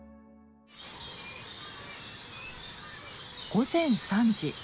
午前３時。